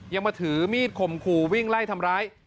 มาถือมีดข่มขู่วิ่งไล่ทำร้าย